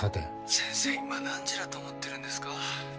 ☎先生今何時だと思ってるんですか？